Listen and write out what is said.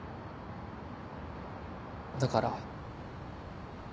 だから。